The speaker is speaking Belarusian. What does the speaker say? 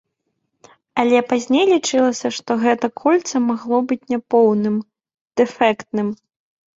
Але пазней лічылася, што гэта кольца магло быць няпоўным, дэфектным.